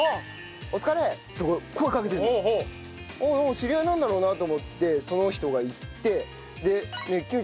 知り合いなんだろうなと思ってその人が行って。